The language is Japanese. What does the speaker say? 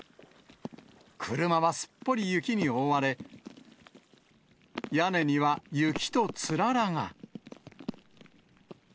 車はすっぽり雪に覆われ、屋根には雪とつららが。